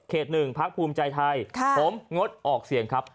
๑พักภูมิใจไทยผมงดออกเสียงครับ